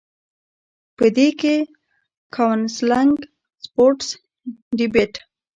پۀ دې کښې کاونسلنګ ، سپورټس ، ډيبېټ ،